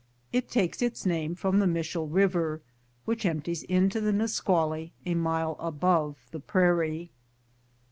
It takes its name from the Mishell River, which empties into the Nisaually a mile above the prairie.